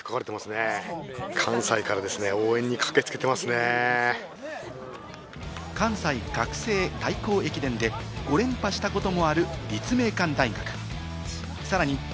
例えば。関西学生対校駅伝で５連覇したこともある立命館大学。